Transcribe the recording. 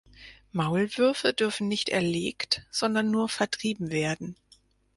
Maulwürfe dürfen nicht erlegt, sondern nur vertrieben werden.